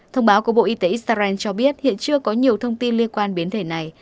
thông báo của bộ y tế israel cho biết hiện chưa có nhiều thông tin liên quan biến thể này